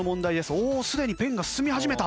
おおすでにペンが進み始めた！